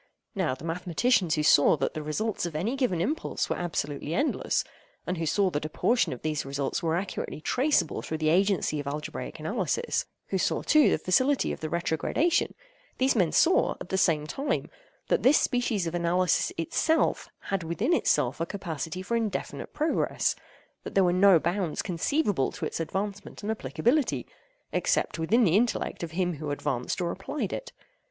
Now the mathematicians who saw that the results of any given impulse were absolutely endless—and who saw that a portion of these results were accurately traceable through the agency of algebraic analysis—who saw, too, the facility of the retrogradation—these men saw, at the same time, that this species of analysis itself, had within itself a capacity for indefinite progress—that there were no bounds conceivable to its advancement and applicability, except within the intellect of him who advanced or applied it.